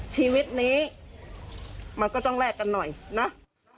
ชีวิตนี้มันก็ต้องแลกกันหน่อยนะ